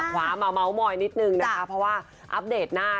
ขวามมาเหมาะนิดหนึ่งนะคะเพราะว่าอัปเดตหน้า